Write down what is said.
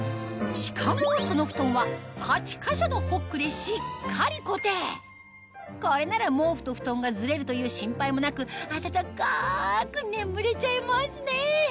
しかもその布団は８か所のホックでしっかり固定これなら毛布と布団がズレるという心配もなく暖かく眠れちゃいますね